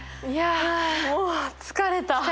いやもう疲れた！